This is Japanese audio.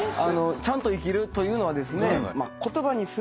ちゃんと生きるというのは言葉にすると。